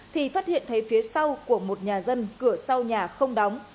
thì phát hiện thấy phía sau của một nhà dân cửa sau nhà không đóng